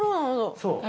そう。